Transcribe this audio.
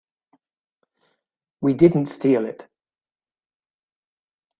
We didn't steal it.